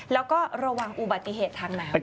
แล้วก็ระวังอุบัติเหตุทางน้ำ